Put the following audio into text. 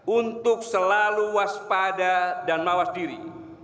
untuk selalu waspada dan mawas diri